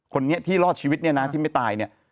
คนนี้ที่รอดชีวิตเนี่ยนะที่ไม่ตายเนี่ย